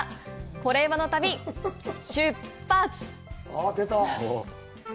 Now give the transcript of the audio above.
「コレうまの旅」、出発！